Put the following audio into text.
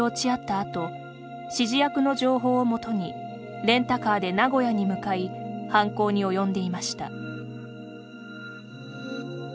あと指示役の情報をもとにレンタカーで名古屋に向かい犯行におよんでいました。